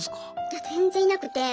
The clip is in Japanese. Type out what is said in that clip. いや全然いなくて。